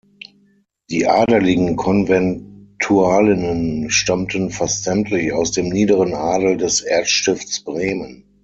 Die adeligen Konventualinnen stammten fast sämtlich aus dem niederen Adel des Erzstifts Bremen.